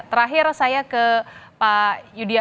terakhir saya ke pak yudha